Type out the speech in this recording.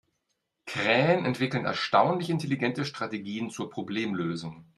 Krähen entwickeln erstaunlich intelligente Strategien zur Problemlösung.